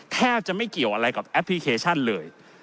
แทบจะไม่เกี่ยวอะไรกับแอปพลิเคชันเลย